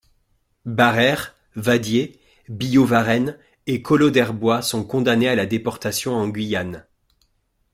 Barère, Vadier, Billaud-Varenne et Collot d'Herbois sont condamnés à la déportation en Guyane.